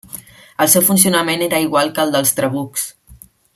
El seu funcionament era igual que el dels trabucs.